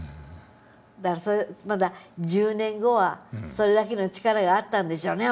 だからまだ１０年後はそれだけの力があったんでしょうね